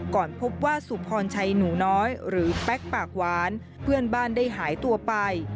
ก่อนพบว่าสุพรชัยหนูน้อยหรือแป๊กปากหวานเพื่อนบ้านได้หายตัวไป